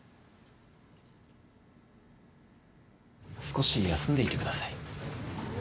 少し休んでいてください。